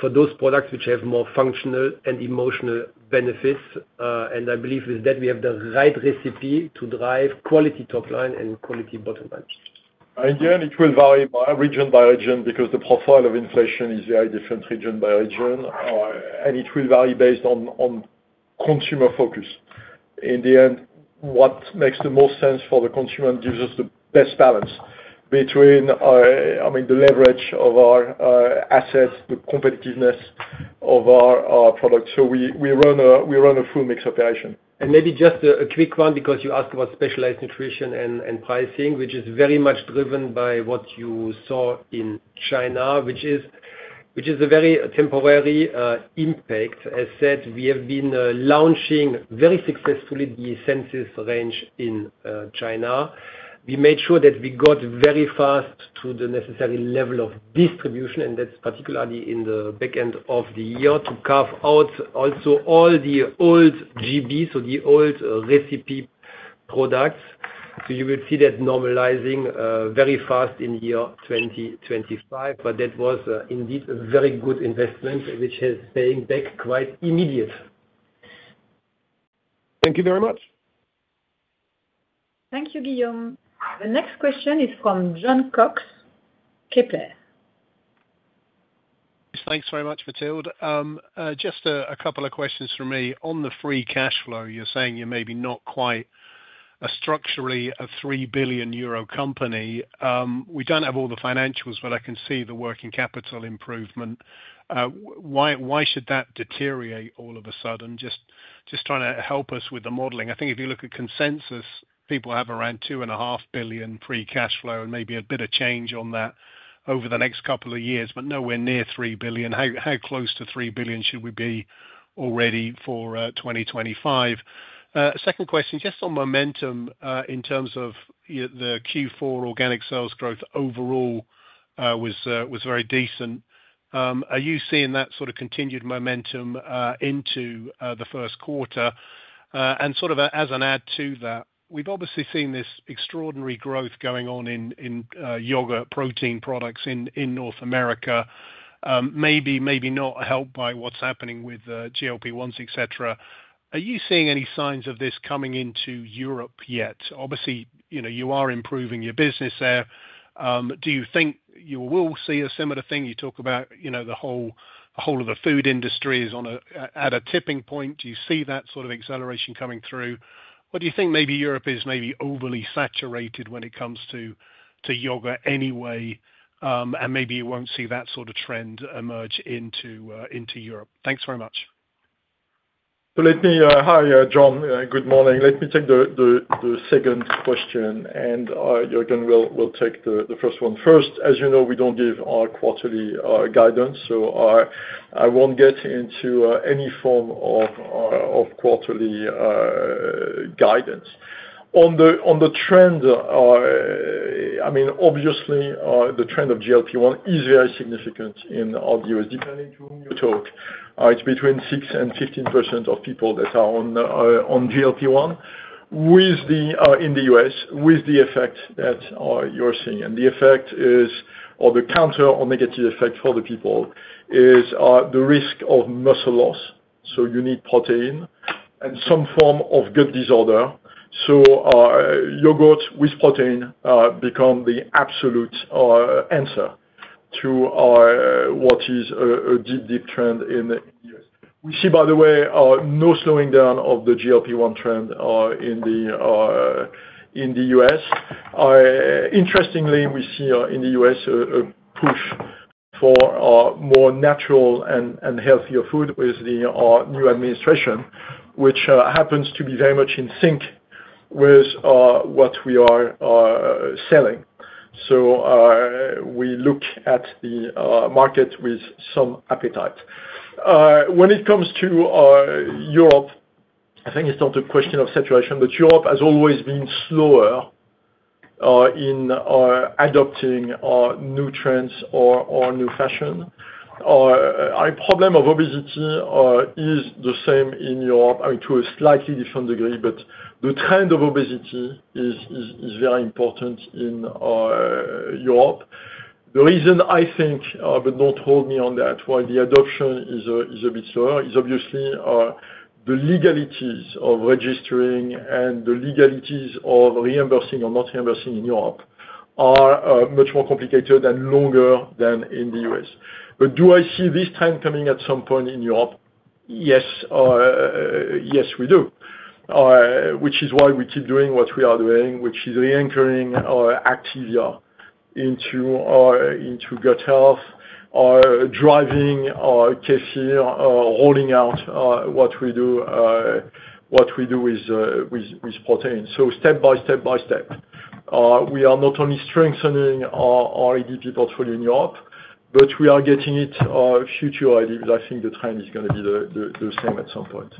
for those products which have more functional and emotional benefits. I believe with that, we have the right recipe to drive quality top line and quality bottom line. Again, it will vary region by region because the profile of inflation is very different region by region. It will vary based on consumer focus. In the end, what makes the most sense for the consumer and gives us the best balance between, I mean, the leverage of our assets, the competitiveness of our products, so we run a full mix operation. And maybe just a quick one because you asked about specialized nutrition and pricing, which is very much driven by what you saw in China, which is a very temporary impact. As said, we have been launching very successfully the Essensis range in China. We made sure that we got very fast to the necessary level of distribution, and that's particularly in the back end of the year to carve out also all the old GB, so the old recipe products, so you will see that normalizing very fast in 2025. But that was indeed a very good investment, which is paying back quite immediately. Thank you very much. Thank you, Guillaume. The next question is from Jon Cox of Kepler. Thanks very much, Mathilde. Just a couple of questions from me. On the free cash flow, you're saying you're maybe not quite structurally a € 3 billion company. We don't have all the financials, but I can see the working capital improvement. Why should that deteriorate all of a sudden? Just trying to help us with the modeling. I think if you look at consensus, people have around € 2.5 billion free cash flow and maybe a bit of change on that over the next couple of years, but nowhere near € 3 billion. How close to € 3 billion should we be already for 2025? Second question, just on momentum in terms of the Q4 organic sales growth overall was very decent. Are you seeing that sort of continued momentum into the first quarter? Sort of as an add to that, we've obviously seen this extraordinary growth going on in yogurt protein products in North America, maybe not helped by what's happening with GLP-1s, etc. Are you seeing any signs of this coming into Europe yet? Obviously, you are improving your business there. Do you think you will see a similar thing? You talk about the whole of the food industry is at a tipping point. Do you see that sort of acceleration coming through? Or do you think maybe Europe is maybe overly saturated when it comes to yogurt anyway? And maybe you won't see that sort of trend emerge into Europe. Thanks very much. So let me hi, Jon. Good morning. Let me take the second question, and Juergen will take the first one first. As you know, we don't give our quarterly guidance, so I won't get into any form of quarterly guidance. On the trend, I mean, obviously, the trend of GLP-1 is very significant in our views, depending on who you talk. It's between 6% and 15% of people that are on GLP-1 in the U.S., with the effect that you're seeing. And the effect is, or the counter or negative effect for the people is the risk of muscle loss. So you need protein and some form of gut disorder. So yogurt with protein becomes the absolute answer to what is a deep, deep trend in the U.S. We see, by the way, no slowing down of the GLP-1 trend in the U.S. Interestingly, we see in the U.S. a push for more natural and healthier food with the new administration, which happens to be very much in sync with what we are selling. So we look at the market with some appetite. When it comes to Europe, I think it's not a question of saturation, but Europe has always been slower in adopting new trends or new fashion. The problem of obesity is the same in Europe, I mean, to a slightly different degree, but the trend of obesity is very important in Europe. The reason I think, but don't hold me on that, why the adoption is a bit slower is obviously the legalities of registering and the legalities of reimbursing or not reimbursing in Europe are much more complicated and longer than in the U.S. But do I see this trend coming at some point in Europe? Yes. Yes, we do, which is why we keep doing what we are doing, which is re-anchoring Activia into gut health, driving Kefir, rolling out what we do with protein. So step by step by step, we are not only strengthening our EDP portfolio in Europe, but we are getting it future. I think the trend is going to be the same at some point.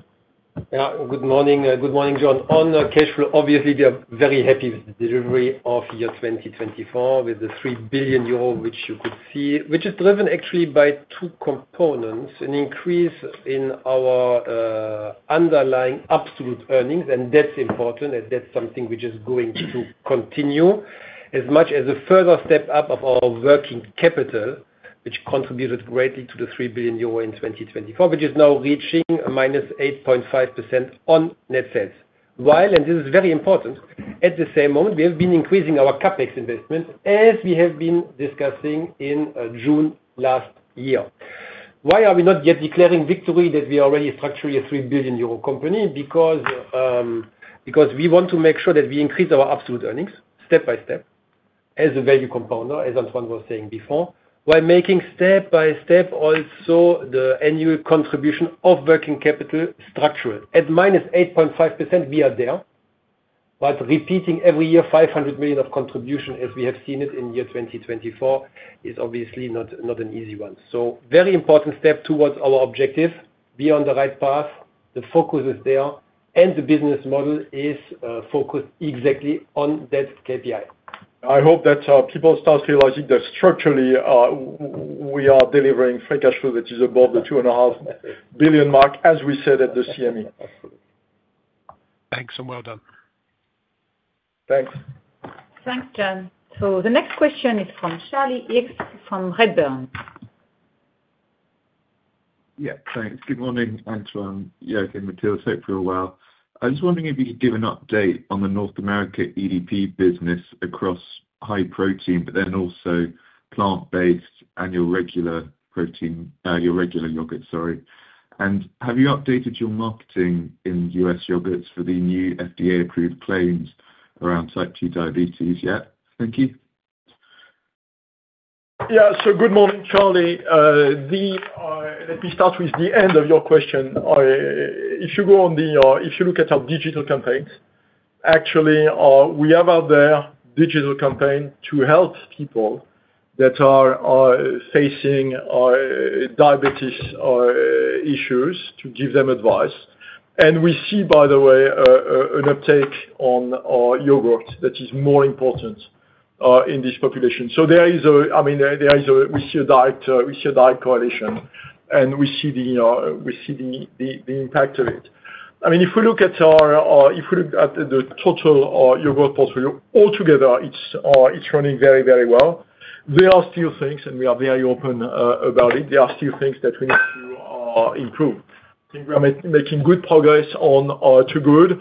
Yeah. Good morning. Good morning, Jon. On cash flow, obviously, we are very happy with the delivery of year 2024 with the €3 billion, which you could see, which is driven actually by two components: an increase in our underlying absolute earnings, and that's important. And that's something we're just going to continue as much as a further step up of our working capital, which contributed greatly to the €3 billion in 2024, which is now reaching minus 8.5% on net sales. While, and this is very important, at the same moment, we have been increasing our CapEx investment as we have been discussing in June last year. Why are we not yet declaring victory that we are already structurally a 3 billion euro company? Because we want to make sure that we increase our absolute earnings step by step as a value compounder, as Antoine was saying before, while making step by step also the annual contribution of working capital structural. At minus 8.5%, we are there. But repeating every year 500 million of contribution, as we have seen it in year 2024, is obviously not an easy one, so very important step towards our objective. We are on the right path. The focus is there, and the business model is focused exactly on that KPI. I hope that people start realizing that structurally we are delivering free cash flow that is above the 2.5 billion mark, as we said at the CME. Thanks and well done. Thanks. Thanks, Jon. So the next question is from Charlie Higgs from Redburn. Yeah. Thanks. Good morning, Antoine. Yeah. Good, Mathilde. Hope you're well. I was wondering if you could give an update on the North America EDP business across high protein, but then also plant-based and your regular protein, your regular yogurt, sorry. And have you updated your marketing in US yogurts for the new FDA-approved claims around type 2 diabetes yet? Thank you. Yeah. So good morning, Charlie. Let me start with the end of your question. If you look at our digital campaigns, actually, we have out there a digital campaign to help people that are facing diabetes issues to give them advice. We see, by the way, an uptake on yogurt that is more important in this population. So there is, I mean, there is a direct correlation, and we see the impact of it. I mean, if we look at the total yogurt portfolio altogether, it's running very, very well. There are still things, and we are very open about it. There are still things that we need to improve. I think we are making good progress on Activia.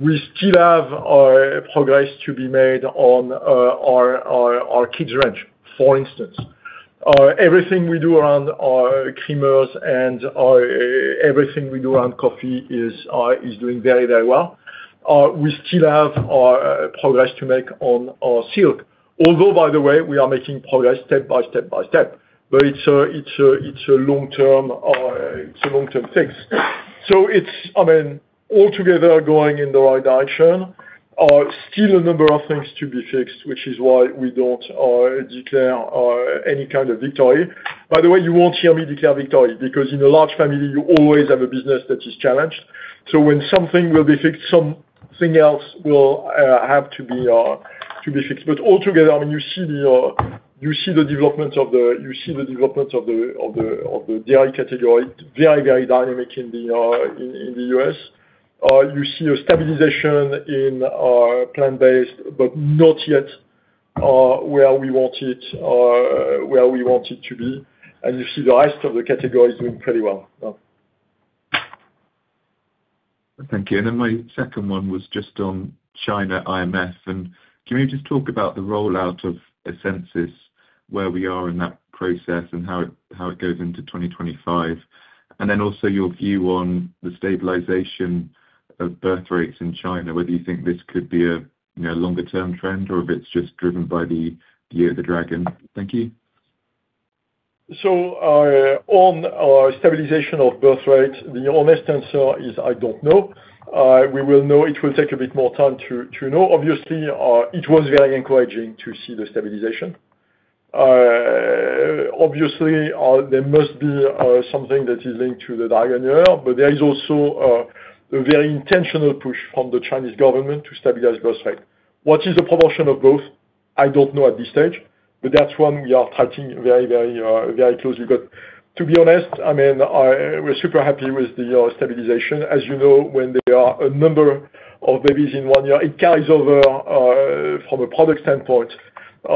We still have progress to be made on our kids' range, for instance. Everything we do around creamers and everything we do around coffee is doing very, very well. We still have progress to make on our Silk, although, by the way, we are making progress step by step by step. But it's a long-term fix. So it's, I mean, altogether going in the right direction. Still a number of things to be fixed, which is why we don't declare any kind of victory. By the way, you won't hear me declare victory because in a large family, you always have a business that is challenged. So when something will be fixed, something else will have to be fixed. But altogether, I mean, you see the development of the dairy category very, very dynamic in the U.S. You see a stabilization in plant-based, but not yet where we want it, where we want it to be. And you see the rest of the categories doing pretty well. Thank you. And then my second one was just on China IMF. And can you just talk about the rollout of Essensis, where we are in that process and how it goes into 2025? And then also your view on the stabilization of birth rates in China, whether you think this could be a longer-term trend or if it's just driven by the Year of the Dragon. Thank you. So on stabilization of birth rates, the honest answer is I don't know. We will know. It will take a bit more time to know. Obviously, it was very encouraging to see the stabilization. Obviously, there must be something that is linked to the demographic, but there is also a very intentional push from the Chinese government to stabilize birth rate. What is the proportion of both? I don't know at this stage, but that's one we are tracking very, very, very closely. But to be honest, I mean, we're super happy with the stabilization. As you know, when there are a number of babies in one year, it carries over from a product standpoint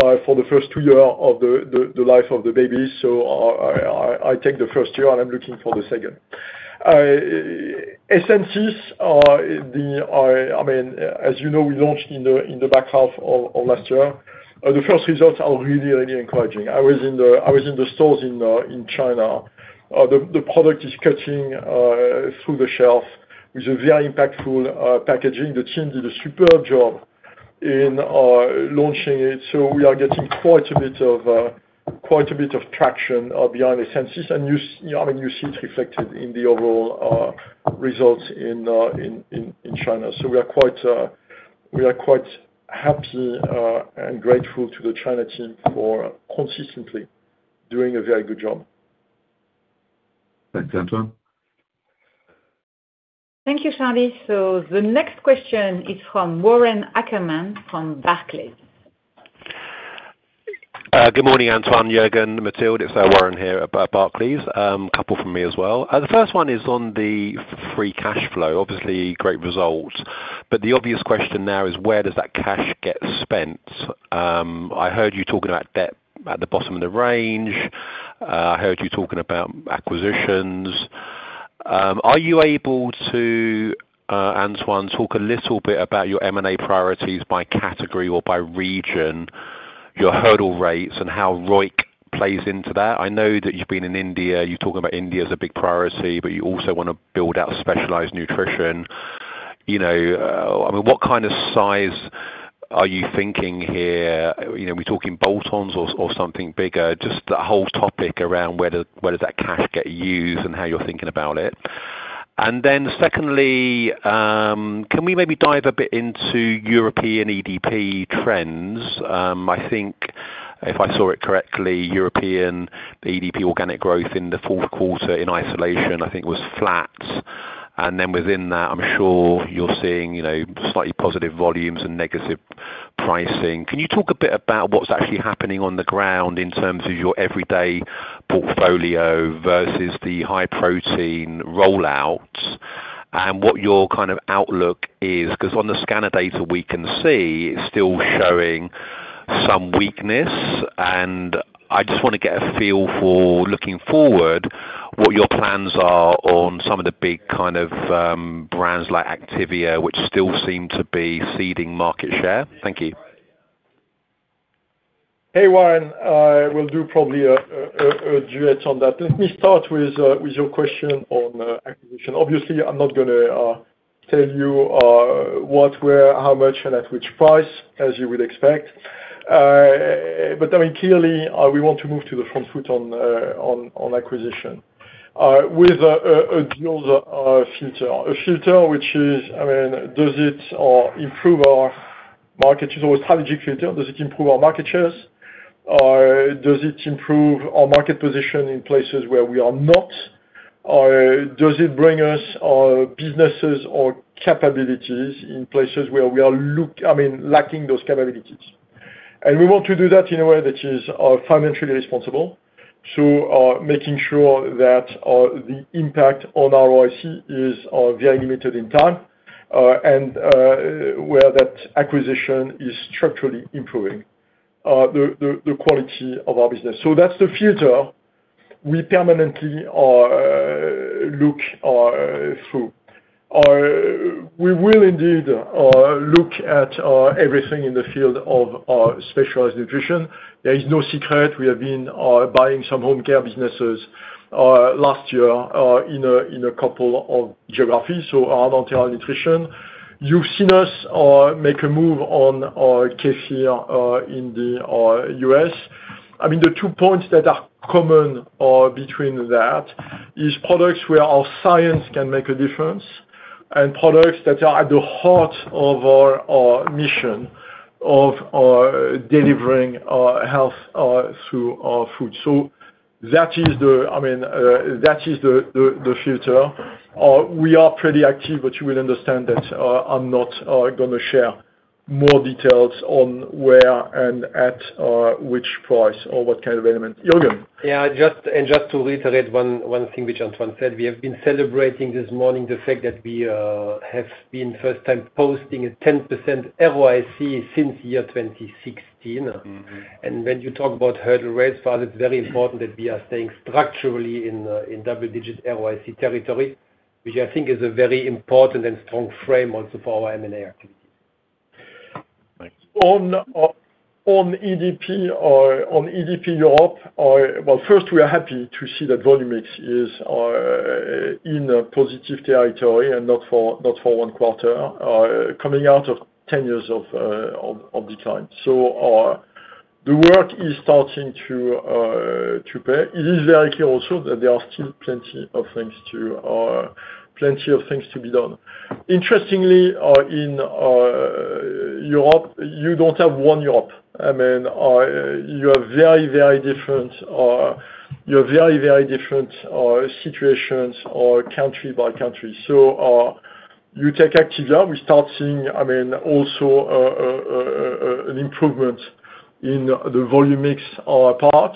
for the first two years of the life of the baby. So I take the first year, and I'm looking for the second. Essensis, I mean, as you know, we launched in the back half of last year. The first results are really, really encouraging. I was in the stores in China. The product is cutting through the shelf with a very impactful packaging. The team did a superb job in launching it, so we are getting quite a bit of traction behind the Essensis. And I mean, you see it reflected in the overall results in China, so we are quite happy and grateful to the China team for consistently doing a very good job. Thanks, Antoine. Thank you, Charlie. So the next question is from Warren Ackerman from Barclays. Good morning, Antoine, Juergen, Mathilde. It's Warren here at Barclays. A couple from me as well. The first one is on the free cash flow. Obviously, great results. But the obvious question now is, where does that cash get spent? I heard you talking about debt at the bottom of the range. I heard you talking about acquisitions. Are you able to, Antoine, talk a little bit about your M&A priorities by category or by region, your hurdle rates, and how ROIC plays into that? I know that you've been in India. You're talking about India as a big priority, but you also want to build out Specialized Nutrition. I mean, what kind of size are you thinking here? Are we talking bolt-ons or something bigger? Just the whole topic around where does that cash get used and how you're thinking about it. And then secondly, can we maybe dive a bit into European EDP trends? I think, if I saw it correctly, European EDP organic growth in the fourth quarter in isolation, I think, was flat. And then within that, I'm sure you're seeing slightly positive volumes and negative pricing. Can you talk a bit about what's actually happening on the ground in terms of your everyday portfolio versus the high protein rollout and what your kind of outlook is? Because on the scanner data, we can see it's still showing some weakness. And I just want to get a feel for, looking forward, what your plans are on some of the big kind of brands like Activia, which still seem to be ceding market share. Thank you. Hey, Warren. We'll do probably a duet on that. Let me start with your question on acquisition. Obviously, I'm not going to tell you what, where, how much, and at which price, as you would expect. But I mean, clearly, we want to move to the front foot on acquisition with a deals filter, a filter which is, I mean, does it improve our market share? So a strategic filter. Does it improve our market shares? Does it improve our market position in places where we are not? Does it bring us businesses or capabilities in places where we are, I mean, lacking those capabilities, and we want to do that in a way that is financially responsible, so making sure that the impact on our ROIC is very limited in time and where that acquisition is structurally improving the quality of our business, so that's the filter we permanently look through. We will indeed look at everything in the field of specialized nutrition. There is no secret. We have been buying some home care businesses last year in a couple of geographies, so Armanta Nutrition, you've seen us make a move on Kefir in the U.S. I mean, the two points that are common between that is products where our science can make a difference and products that are at the heart of our mission of delivering health through food. So that is the, I mean, that is the filter. We are pretty active, but you will understand that I'm not going to share more details on where and at which price or what kind of element. Juergen. Yeah. And just to reiterate one thing which Antoine said, we have been celebrating this morning the fact that we have been first-time posting a 10% ROIC since year 2016. And when you talk about hurdle rates, for us, it's very important that we are staying structurally in double-digit ROIC territory, which I think is a very important and strong frame also for our M&A activities. On EDP Europe, well, first, we are happy to see that volume mix is in positive territory and not for one quarter, coming out of 10 years of decline. So the work is starting to pay. It is very clear also that there are still plenty of things to be done. Interestingly, in Europe, you don't have one Europe. I mean, you have very, very different situations country by country. So you take Activia, we start seeing, I mean, also an improvement in the volume mix part.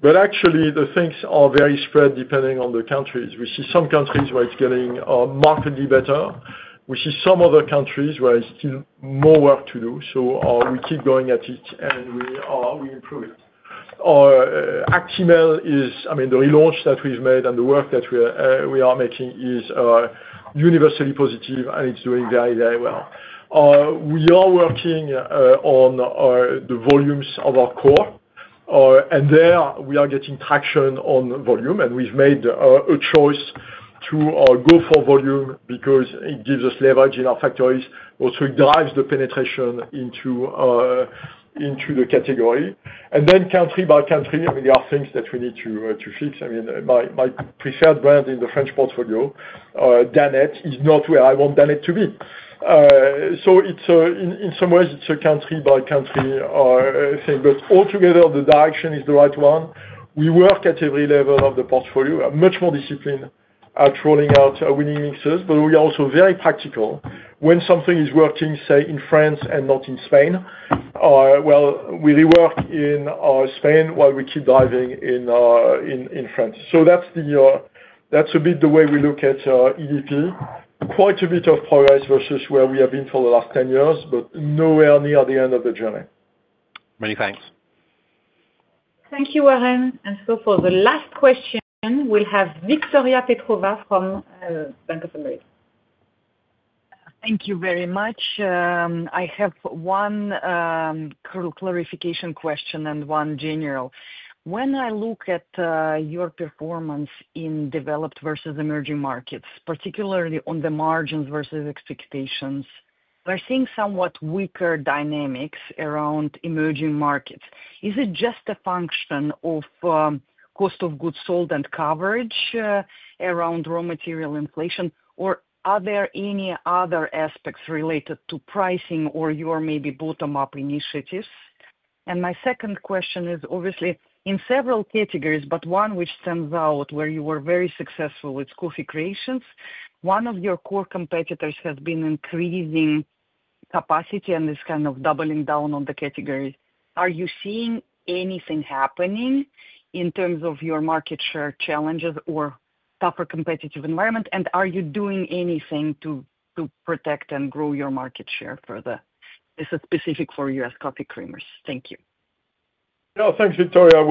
But actually, the things are very spread depending on the countries. We see some countries where it's getting markedly better. We see some other countries where it's still more work to do. So we keep going at it, and we improve it. Actimel is, I mean, the relaunch that we've made and the work that we are making is universally positive, and it's doing very, very well. We are working on the volumes of our core. There, we are getting traction on volume. We've made a choice to go for volume because it gives us leverage in our factories. Also, it drives the penetration into the category. Then country by country, I mean, there are things that we need to fix. I mean, my preferred brand in the French portfolio, Danette, is not where I want Danette to be. In some ways, it's a country-by-country thing. Altogether, the direction is the right one. We work at every level of the portfolio, much more disciplined at rolling out winning mixes. We are also very practical. When something is working, say, in France and not in Spain, well, we rework in Spain while we keep driving in France. So that's a bit the way we look at EDP. Quite a bit of progress versus where we have been for the last 10 years, but nowhere near the end of the journey. Many thanks. Thank you, Warren. And so for the last question, we'll have Victoria Petrova from Bank of America. Thank you very much. I have one clarification question and one general. When I look at your performance in developed versus emerging markets, particularly on the margins versus expectations, we're seeing somewhat weaker dynamics around emerging markets. Is it just a function of cost of goods sold and coverage around raw material inflation, or are there any other aspects related to pricing or your maybe bottom-up initiatives? And my second question is, obviously, in several categories, but one which stands out where you were very successful with Coffee Creations, one of your core competitors has been increasing capacity and is kind of doubling down on the category. Are you seeing anything happening in terms of your market share challenges or tougher competitive environment? And are you doing anything to protect and grow your market share further? This is specific for U.S. coffee creamers. Thank you. No, thanks, Victoria. I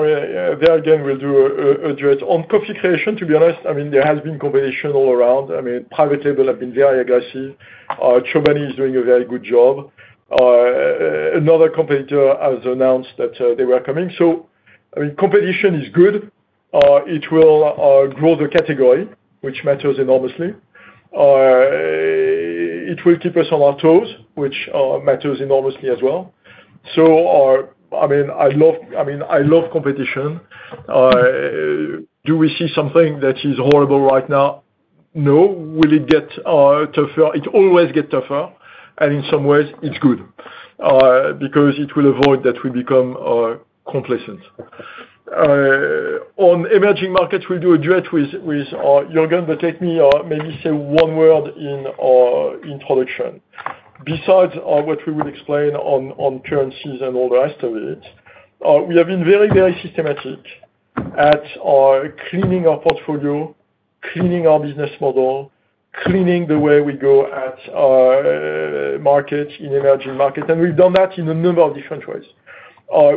mean, there again, we'll do a duet. On Coffee Creation, to be honest, I mean, there has been competition all around. I mean, private label have been very aggressive. Chobani is doing a very good job. Another competitor has announced that they were coming. So I mean, competition is good. It will grow the category, which matters enormously. It will keep us on our toes, which matters enormously as well, so I mean, I love I mean, I love competition. Do we see something that is horrible right now? No. Will it get tougher? It always gets tougher, and in some ways, it's good because it will avoid that we become complacent. On emerging markets, we'll do a duet with Juergen, but let me maybe say one word in introduction. Besides what we would explain on currencies and all the rest of it, we have been very, very systematic at cleaning our portfolio, cleaning our business model, cleaning the way we go at markets in emerging markets, and we've done that in a number of different ways.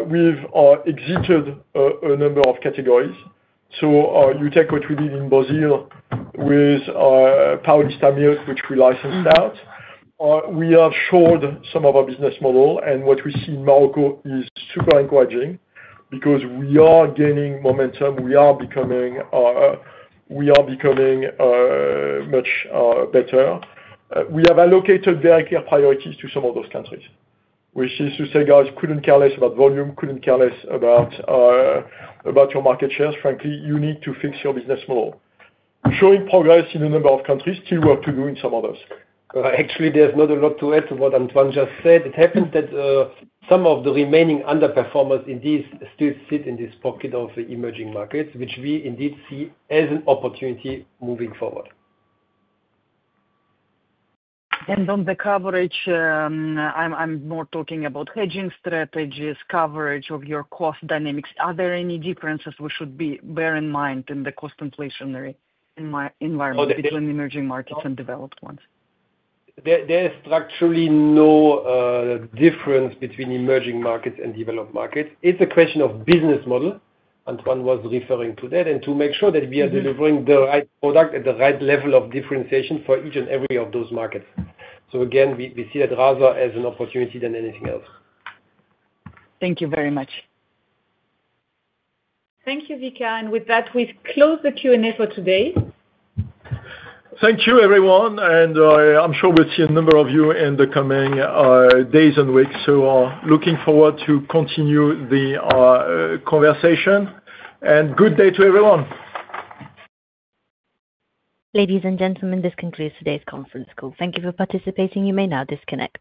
We've exited a number of categories, so you take what we did in Brazil with Paulista Milk, which we licensed out. We have shored some of our business model. What we see in Morocco is super encouraging because we are gaining momentum. We are becoming much better. We have allocated very clear priorities to some of those countries, which is to say, guys, couldn't care less about volume, couldn't care less about your market shares. Frankly, you need to fix your business model. Showing progress in a number of countries, still work to do in some others. Actually, there's not a lot to add to what Antoine just said. It happens that some of the remaining underperformers indeed still sit in this pocket of emerging markets, which we indeed see as an opportunity moving forward. On the coverage, I'm more talking about hedging strategies, coverage of your cost dynamics. Are there any differences we should bear in mind in the cost inflationary environment between emerging markets and developed ones? There is structurally no difference between emerging markets and developed markets. It's a question of business model. Antoine was referring to that. And to make sure that we are delivering the right product at the right level of differentiation for each and every one of those markets. So again, we see that rather as an opportunity than anything else. Thank you very much. Thank you, Victoria. And with that, we've closed the Q&A for today. Thank you, everyone. And I'm sure we'll see a number of you in the coming days and weeks. So looking forward to continue the conversation. And good day to everyone. Ladies and gentlemen, this concludes today's conference call. Thank you for participating. You may now disconnect.